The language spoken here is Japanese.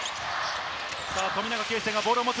富永啓生がボールを持つ。